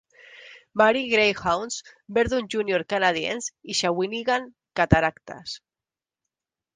Marie Greyhounds, Verdun Junior Canadiens i Shawinigan Cataractes.